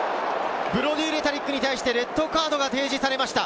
ブロディ・レタリックに対してレッドカードが提示されました。